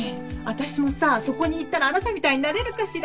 私もさそこに行ったらあなたみたいになれるかしら？